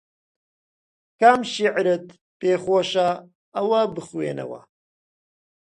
کام شیعرت پێ خۆشە ئەوە بخوێنەوە